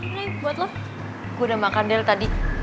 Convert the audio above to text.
nih gue udah makan del tadi